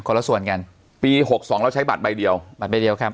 ละส่วนกันปีหกสองเราใช้บัตรใบเดียวบัตรใบเดียวครับ